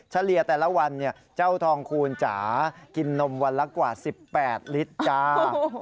เฉลี่ยแต่ละวันเนี่ยเจ้าทองคูณจ๋ากินนมวันละกว่า๑๘ลิตรจ้า